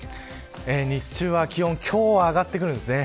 日中は気温今日は上がってくるんですね。